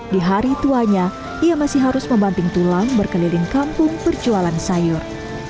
di hari tuanya ia masih harus membanting tulang berkeliling kampung berjualan sayur